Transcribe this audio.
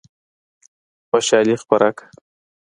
خوشالي خپره کړه.